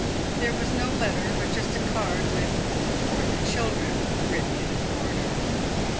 There was no letter, but just a card with "For the children," written in a corner.